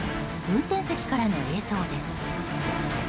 運転席からの映像です。